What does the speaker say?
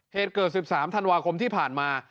เหตุเกิด๑๓ธันวาคมที่ผ่านมา